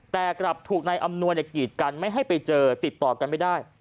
แต่กลับถูกนายอำนวยกีดกันไม่ให้ไปเจอติดต่อกันไม่ได้